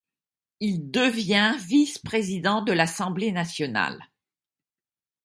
Il devient vice-président de l'Assemblée nationale.